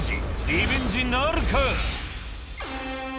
リベンジなるか？